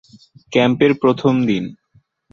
ক্যাম্পের প্রথম দিন।